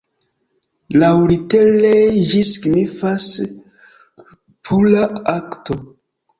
Laŭlitere ĝi signifas "pura akto.